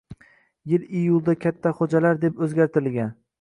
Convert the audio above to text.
yil iyulda Katta Xo‘jalar deb o‘zgartirilgan.